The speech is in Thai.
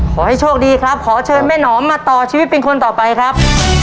ขอให้โชคดีครับขอเชิญแม่หนอมมาต่อชีวิตเป็นคนต่อไปครับ